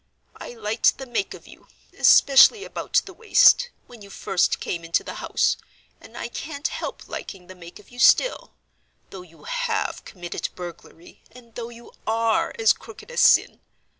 I liked the make of you (especially about the waist) when you first came into the house, and I can't help liking the make of you still—though you have committed burglary, and though you are as crooked as Sin.